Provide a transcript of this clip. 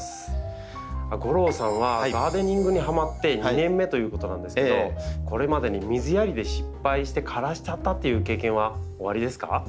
吾郎さんはガーデニングにハマって２年目ということなんですけどこれまでに水やりで失敗して枯らしちゃったっていう経験はおありですか？